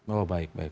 oh baik baik